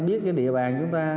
biết cái địa bàn chúng ta